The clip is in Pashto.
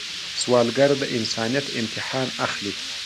سوالګر د انسانیت امتحان اخلي